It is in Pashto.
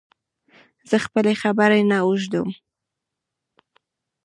زه خپلي خبري نه اوږدوم